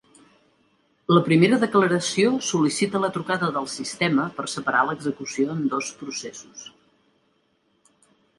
La primera declaració sol·licita la trucada del sistema per separar l'execució en dos processos.